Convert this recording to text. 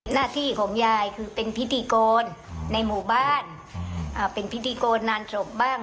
หน้าที่ของยายคือเป็นพิธีกรในหมู่บ้านอ่าเป็นพิธีโกนงานศพบ้าง